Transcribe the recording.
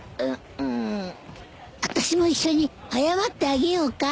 ううん。あたしも一緒に謝ってあげようか？